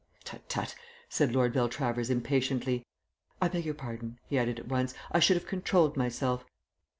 "Tut, tut," said Lord Beltravers impatiently. "I beg your pardon," he added at once, "I should have controlled myself.